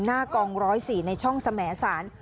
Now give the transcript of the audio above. หน้ากอง๑๐๔ในช่องสมสาร